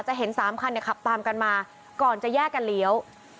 เห็น๓คันขับตามกันมาก่อนจะแยกกันเลี้ยว